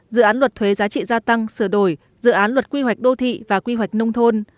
dự án luật thuế giá trị gia tăng sửa đổi dự án luật quy hoạch đô thị và quy hoạch nông thôn